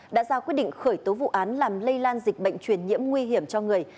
đã ra quyết định khởi tố vụ án làm lây lan dịch bệnh truyền nhiễm nguy hiểm cho người